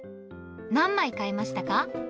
何枚買いましたか？